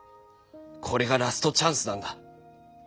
これがラストチャンスなんだ。